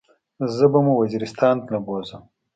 زه به مو وزيرستان له بوزم.